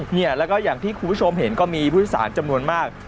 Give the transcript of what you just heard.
เนี่ยแล้วก็อย่างที่คุณผู้ชมเห็นก็มีผู้โดยสารจำนวนมาก